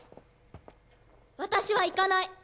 私は行かない！